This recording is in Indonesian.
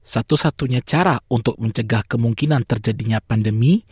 satu satunya cara untuk mencegah kemungkinan terjadinya pandemi